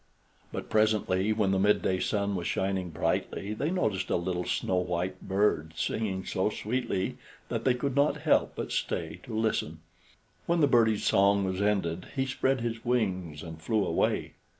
But presently, when the midday sun was shining brightly, they noticed a little snow white bird singing so sweetly that they could not help but stay to listen. When the birdie's song was ended, he spread his wings and flew away.